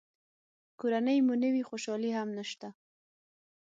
که کورنۍ مو نه وي خوشالي هم نشته.